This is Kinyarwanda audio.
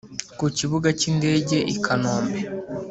ku Kibuga cy’indege i Kanombe